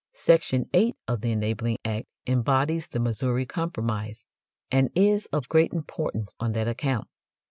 Section 8 of the Enabling Act embodies the Missouri Compromise, and is of great importance on that account.